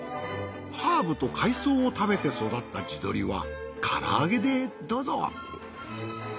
ハーブと海藻を食べて育った地鶏はから揚げでどうぞ。